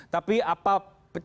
tapi apa catatan menariknya